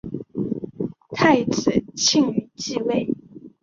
太子庆膺继位。